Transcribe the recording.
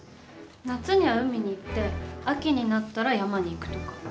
夏には海に行って秋になったら山に行くとか。